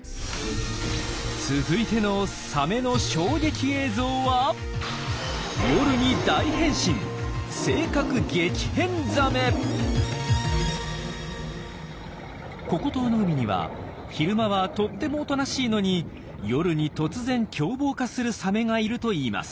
続いてのサメの衝撃映像はココ島の海には昼間はとってもおとなしいのに夜に突然凶暴化するサメがいるといいます。